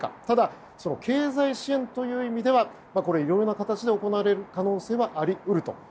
ただ、経済支援という意味ではいろいろな形で行われる可能性はあり得ると。